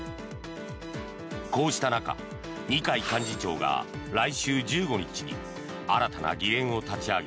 こうした中、二階幹事長が来週１５日に新たな議連を立ち上げ